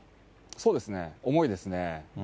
そうですね、重いですね。